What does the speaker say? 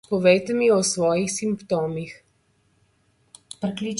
Povejte mi več o svojih simptomih.